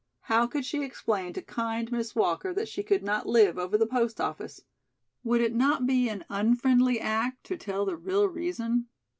How could she explain to kind Miss Walker that she could not live over the post office? Would it not be an unfriendly act to tell the real reason?